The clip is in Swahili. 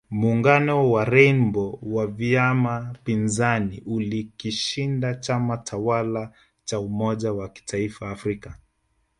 Muungano wa Rainbow wa vyama pinzani ulikishinda chama tawala cha umoja wa kitaifa Afrika